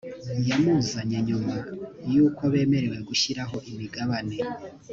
yamuzanye nyuma y ‘uko bemerewe gushyiraho imigabane .